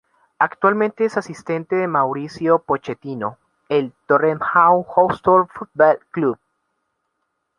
Actualmente es asistente de Mauricio Pochettino en el Tottenham Hotspur Football Club.